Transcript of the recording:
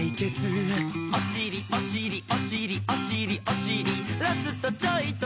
「おしりおしりおしりおしりおしり」「ラストチョイと」